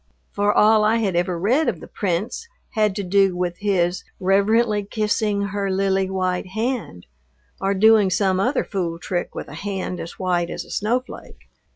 For all I had ever read of the Prince had to do with his "reverently kissing her lily white hand," or doing some other fool trick with a hand as white as a snowflake.